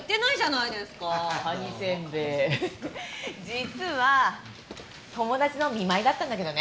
実は友達の見舞いだったんだけどね。